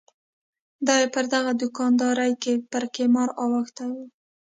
دای پر دغه دوکاندارۍ کې پر قمار اوښتی و.